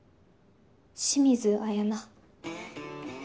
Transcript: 清水彩菜。